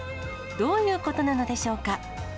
どういうことなのでしょうか。